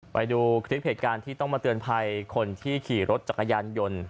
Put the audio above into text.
ไปดูคลิปเหตุการณ์ที่ต้องมาเตือนภัยคนที่ขี่รถจักรยานยนต์